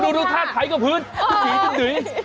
ถ้าดูฆ่าไขก็พืชพื้นสีก็ดื่ม